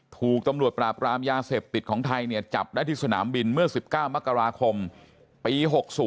ถูกตำรวจปราบรามยาเสพติดของไทยจับได้ที่สนามบินเมื่อ๑๙มกราคมปี๖๐